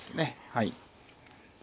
はい。